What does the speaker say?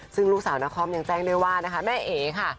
ซึ่งลูกสาวนครยังแจ้งด้วยว่านะคะแม่เอ๋ค่ะ